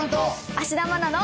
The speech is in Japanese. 芦田愛菜の。